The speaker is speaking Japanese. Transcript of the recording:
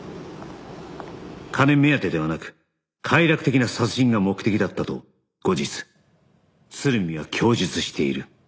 金目当てではなく快楽的な殺人が目的だったと後日鶴見は供述している